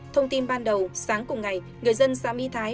thông tin ban đầu sáng cùng ngày người dân xã my thái